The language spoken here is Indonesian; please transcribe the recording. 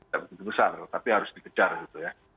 tidak besar tapi harus dikejar gitu ya